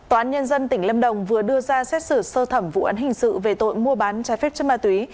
tòa án nhân dân tỉnh lâm đồng vừa đưa ra xét xử sơ thẩm vụ án hình sự về tội mua bán trái phép chất ma túy